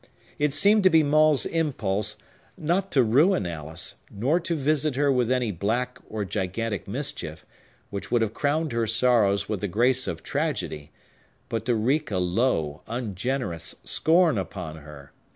It seemed to be Maule's impulse, not to ruin Alice, nor to visit her with any black or gigantic mischief, which would have crowned her sorrows with the grace of tragedy, but to wreak a low, ungenerous scorn upon her.